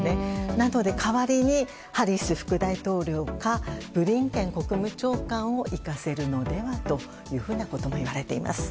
なので、代わりにハリス副大統領かブリンケン国務長官を行かせるのではということもいわれています。